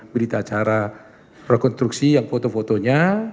berita acara rekonstruksi yang foto fotonya